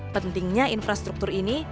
pentingnya infrastruktur ini